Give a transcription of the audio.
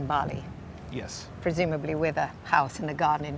mungkin dengan rumah dan hutan di depan